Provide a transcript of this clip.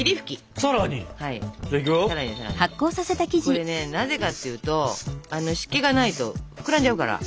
これねなぜかっていうと湿気がないと膨らんじゃうから。